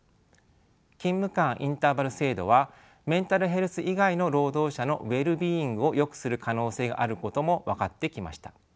勤務間インターバル制度はメンタルヘルス以外の労働者のウェルビーイングをよくする可能性があることも分かってきました。